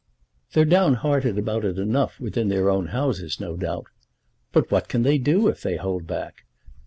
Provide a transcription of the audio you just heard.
They're down hearted about it enough within their own houses, no doubt. But what can they do, if they hold back?